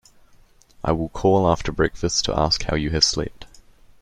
I will call after breakfast to ask how you have slept.